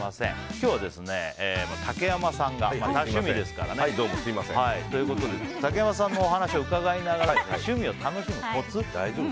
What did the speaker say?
今日は、竹山さんが多趣味ですから竹山さんのお話を伺いながら趣味を楽しむコツを。